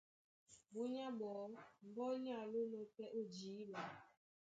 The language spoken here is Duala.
Búnyá ɓɔɔ́ mbɔ́ ní alónɔ̄ pɛ́ ó jǐɓa,